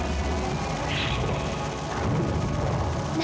何？